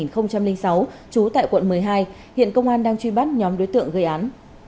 trong năm hai nghìn sáu trú tại quận một mươi hai hiện công an đang truy bắt nhóm đối tượng gây án